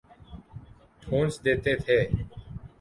ﭨﮭﻮﻧﺲ ﺩﯾﺘﮯ ﺗﮭﮯ